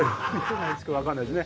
分かんないですね